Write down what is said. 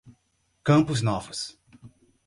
Campos Novos